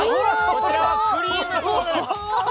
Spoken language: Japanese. こちらはクリームソーダです